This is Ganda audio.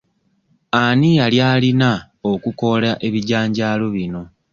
Ani yali alina okukoola ebijanjaalo bino?